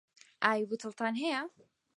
ئاوی بوتڵتان هەیە؟